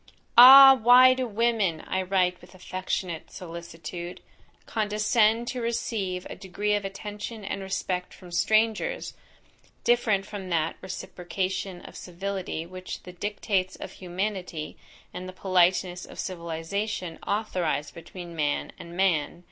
Ah! why do women, I write with affectionate solicitude, condescend to receive a degree of attention and respect from strangers, different from that reciprocation of civility which the dictates of humanity, and the politeness of civilization authorise between man and man?